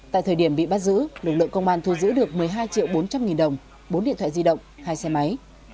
tại thời điểm bị bắt giữ lực lượng công an thu giữ được một mươi hai triệu bốn trăm linh nghìn đồng bốn điện thoại di động hai xe máy